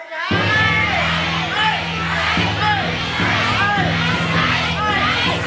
ไม่ใช้